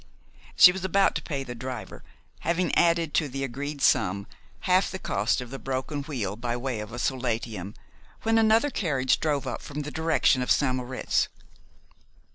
She was about to pay the driver, having added to the agreed sum half the cost of the broken wheel by way of a solatium, when another carriage drove up from the direction of St. Moritz.